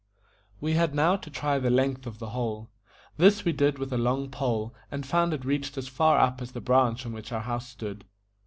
We had now to try the length of the hole. This we did with a long pole, and found it reached as far up as the branch on which our house stood.